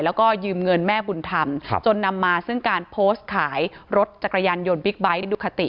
แล้วก็ยืมเงินแม่บุญธรรมจนนำมาซึ่งการโพสต์ขายรถจักรยานยนต์บิ๊กไบท์ดูคาติ